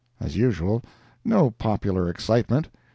As usual, no popular excitement.